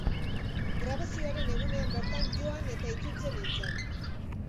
Grabazioaren egunean bertan joan eta itzultzen nintzen.